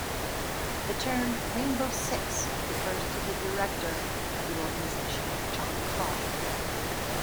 The term "Rainbow Six" refers to the director of the organization, John Clark.